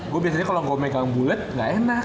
gue biasanya kalo gue megang bulet gak enak